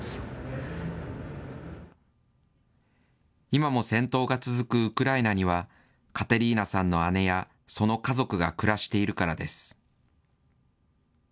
今も戦闘が続くウクライナには、カテリーナさんの姉やその家族が暮らしているからです。